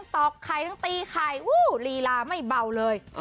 ตีไข่รีลาไม่เบาเลย